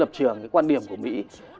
cái lập trường cái quan điểm của mỹ